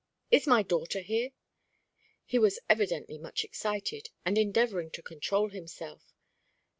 "Is my daughter here?" He was evidently much excited, and endeavouring to control himself.